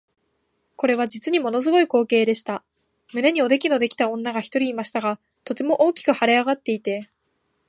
これは実にもの凄い光景でした。胸におできのできた女が一人いましたが、とても大きく脹れ上っていて、